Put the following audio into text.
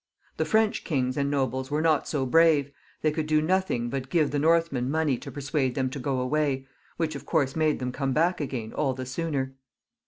The French kings and nobles were not so brave, they could do nothing but give the Northmen money to persuade them to go away, which of course made them come back again all the sooner.